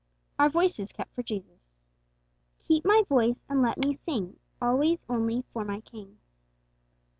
Our Voices kept for Jesus. 'Keep my voice, and let me sing _Always, only, for my King.'